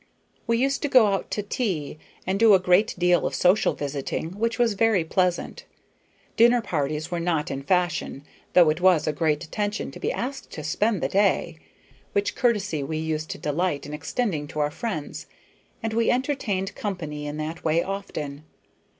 We used to go out to tea, and do a great deal of social visiting, which was very pleasant. Dinner parties were not in fashion, though it was a great attention to be asked to spend the day, which courtesy we used to delight in extending to our friends; and we entertained company in that way often.